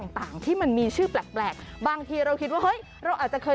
ต่างที่มันมีชื่อแปลกบางทีเราคิดว่าเฮ้ยเราอาจจะเคย